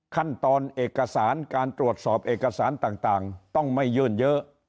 ขั้นตอนเอกสารการตรวจสอบเอกสารต่างต้องไม่ยื่นเยอะ